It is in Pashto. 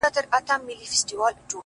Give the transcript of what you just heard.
خپـله گرانـه مړه مي په وجود كي ده،